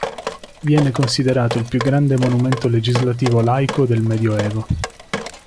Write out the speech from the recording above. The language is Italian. Viene considerato il più grande monumento legislativo laico del Medioevo.